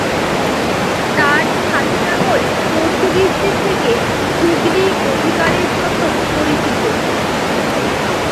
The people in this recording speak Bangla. তার শাসনামল পর্তুগিজদের থেকে হুগলি অধিকারের জন্য পরিচিত।